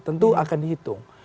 tentu akan dihitung